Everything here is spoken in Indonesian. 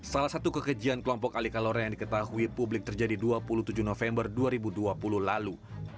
salah satu kekejian kelompok ali kalora yang diketahui publik terjadi dua puluh tujuh november dua ribu dua puluh lalu